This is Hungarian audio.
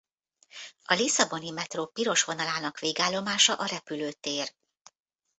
A Lisszaboni metró piros vonalának végállomása a repülőtér.